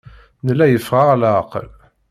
Nella yeffeɣ-aɣ leɛqel.